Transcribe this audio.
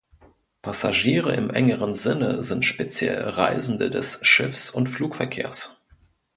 Passagiere im engeren Sinne sind speziell Reisende des Schiffs- und Flugverkehrs.